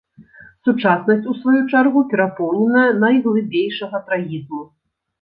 Сучаснасць, у сваю чаргу, перапоўненая найглыбейшага трагізму.